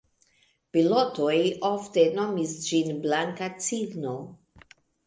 Pilotoj ofte nomis ĝin "Blanka Cigno".